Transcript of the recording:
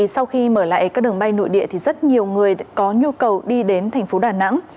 sau khi mở lại các đường bay nội địa thì rất nhiều người có nhu cầu đi đến thành phố đà nẵng